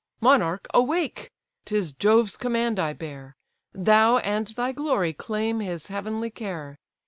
Monarch, awake! 'tis Jove's command I bear, Thou and thy glory claim his heavenly care.